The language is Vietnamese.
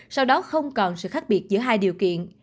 sau đó không còn nửa khả năng lây nhiễm